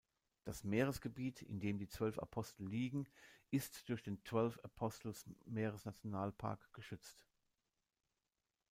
Das Meeresgebiet, in dem die Zwölf Apostel liegen, ist durch den Twelve-Apostles-Meeresnationalpark geschützt.